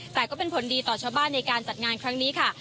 แต่ก็เป็นผลดีต่อชาวบ้านในการจัดงานครั้งนี้ค่ะ